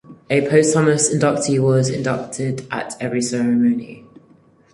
A posthumous inductee was inducted at every ceremony.